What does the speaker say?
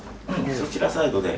そちらサイドで。